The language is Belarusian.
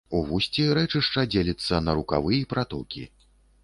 У вусці рэчышча дзеліцца на рукавы і пратокі.